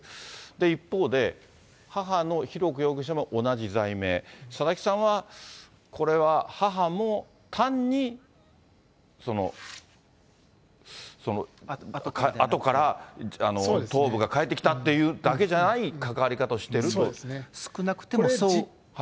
一方で、母の浩子容疑者も同じ罪名、佐々木さんはこれは母も単に、あとから頭部が帰ってきたっていうだけじゃない関わり方をしてい少なくても。